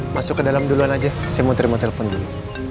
masuk ke dalam duluan aja saya mau terima telepon dulu